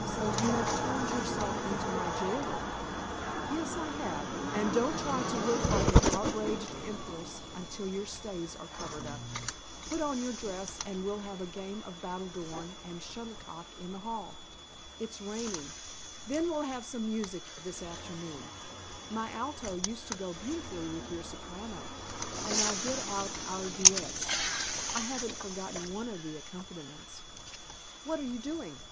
"So you have turned yourself into my jailer?" "Yes, I have. And don't try to look like an outraged empress until your stays are covered up. Put on your dress and we'll have a game of battledore and shuttlecock in the hall. It's raining. Then we'll have some music this afternoon. My alto used to go beautifully with your soprano, and I'll get out our duets. I haven't forgotten one of the accompaniments What are you doing?"